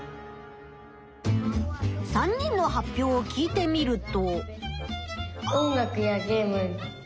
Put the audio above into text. ３人の発表を聞いてみると。